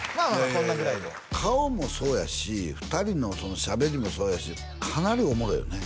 こんなぐらいの顔もそうやし２人のしゃべりもそうやしかなりおもろいよね